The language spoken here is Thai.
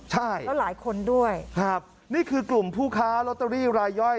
ใช่ครับนี่คือกลุ่มผู้ค้ารอตเตอรี่รายย่อย